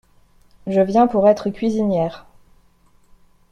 Je viens pour être cuisinière…